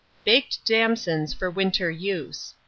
BAKED DAMSONS FOR WINTER USE.